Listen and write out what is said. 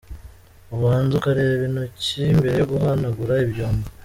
Ubanze ukarabe intoki mbere yo guhanagura ibyombo.